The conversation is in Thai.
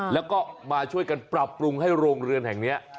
แล้วก็มาช่วยกันปรับปรุงให้โรงเรือนแห่งนี้